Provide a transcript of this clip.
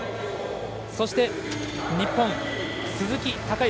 そして日本、鈴木孝幸。